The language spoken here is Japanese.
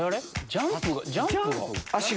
ジャンプが。